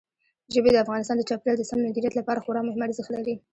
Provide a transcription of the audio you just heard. ژبې د افغانستان د چاپیریال د سم مدیریت لپاره خورا مهم ارزښت لري.